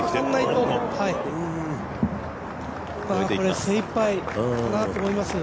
これ、精いっぱいかなと思います。